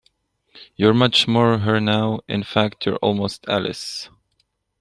You're much more her now, in fact, you're almost Alice.